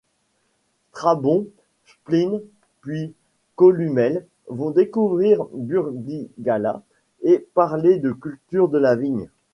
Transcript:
Strabon, Pline puis Columelle vont découvrir Burdigala et parler de culture de la vigne.